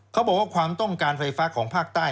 เขาบอกว่าความต้องการไฟฟ้าของภาคใต้